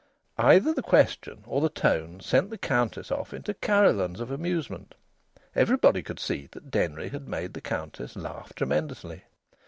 Either the question or the tone sent the Countess off into carillons of amusement. Everybody could see that Denry had made the Countess laugh tremendously.